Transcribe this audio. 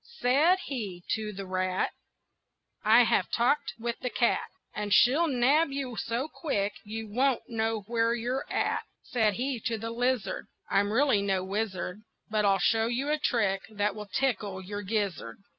Said he to the rat: "I have talked with the cat; And she'll nab you so quick you won't know where you're at." Said he to the lizard: "I'm really no wizard, But I'll show you a trick that will tickle your gizzard."